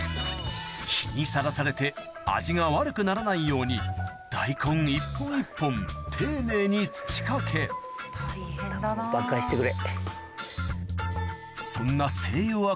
日にさらされて味が悪くならないように大根一本一本丁寧に土かけ挽回してくれ。